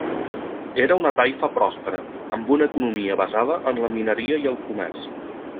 Era una taifa pròspera, amb una economia basada en la mineria i el comerç.